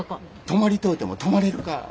泊まりとうても泊まれるか。